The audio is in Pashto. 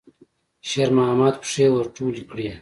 شېرمحمد پښې ور ټولې کړې.